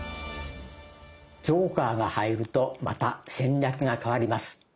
ジョーカーが入るとまた戦略が変わります。